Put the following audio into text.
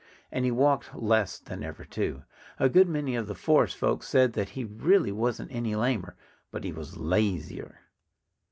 And he walked less than ever, too. A good many of the forest folk said that he really wasn't any lamer but he was lazier.